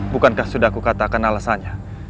bukankah sudah aku katakan alasannya